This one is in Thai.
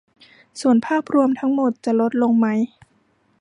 ส่วนภาพรวมทั้งหมดจะลดลงไหม